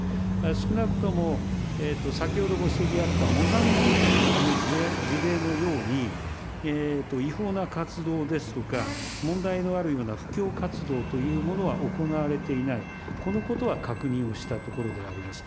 少なくとも先ほどご指摘があったモザンビークの事例のように、違法な活動ですとか、問題のあるような布教活動というものは行われていない、このことは確認をしたところであります。